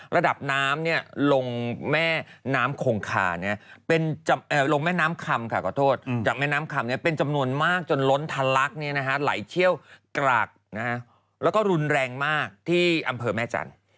ระดับน้ำลงแม่น้ำคำเป็นจำนวนมากจนล้นทะลักไหลเชี่ยวกรากและรุนแรงมากที่อำเภอแม่จันทร์